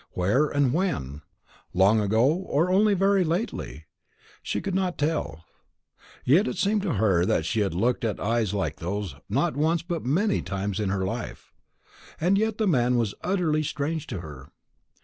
Where and when? Long ago, or only very lately? She could not tell. Yet it seemed to her that she had looked at eyes like those, not once, but many times in her life. And yet the man was utterly strange to her.